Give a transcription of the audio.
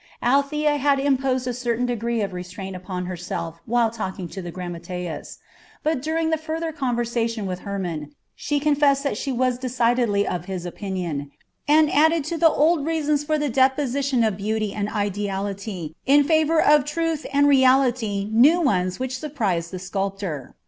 Althea had imposed a certain degree of restraint upon herself while talking to the grammateus, but during the further conversation with Hermon she confessed that she was decidedly of his opinion, and added to the old reasons for the deposition of beauty and ideality in favour of truth and reality new ones which surprised the sculptor.